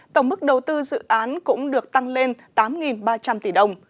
tổng mức đầu tư dự án cũng được tăng lên tám ba trăm linh tỷ đồng